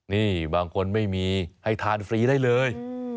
นี่บางคนไม่มีให้ทานฟรีได้เลย